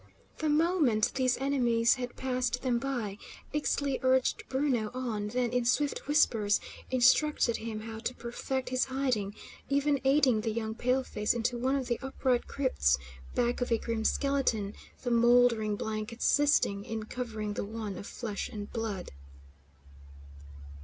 The moment these enemies had passed them by, Ixtli urged Bruno on, then, in swift whispers, instructed him how to perfect his hiding, even aiding the young paleface into one of the upright crypts, back of a grim skeleton, the mouldering blankets assisting in covering the one of flesh and blood.